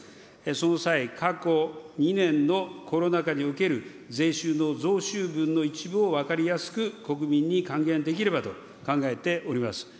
その際、過去２年のコロナ禍における税収の増収分の一部を分かりやすく国民に還元できればと考えております。